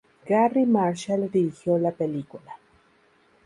Garry Marshall dirigió la película.